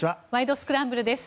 スクランブル」です。